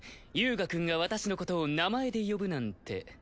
遊我くんが私のことを名前で呼ぶなんて。